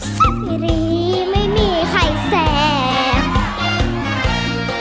สับดีไม่มีใครแสบ